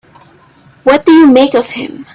What do you make of him?